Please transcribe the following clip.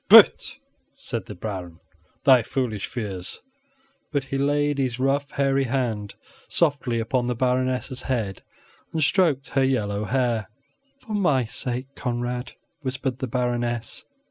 "Prut," said the Baron, "thy foolish fears" But he laid his rough, hairy hand softly upon the Baroness' head and stroked her yellow hair. "For my sake, Conrad," whispered the Baroness.